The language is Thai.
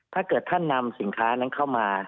ถ้าเกิดท่านนำสินค้านั้นเข้ามา